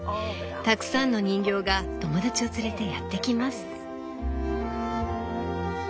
たくさんの人形が友だちを連れてやってきます」。